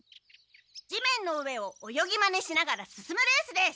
地面の上を泳ぎまねしながら進むレースです！